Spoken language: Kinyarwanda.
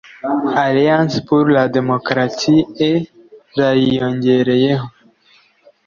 Alliance pour la D mocratie et layiyongereyeho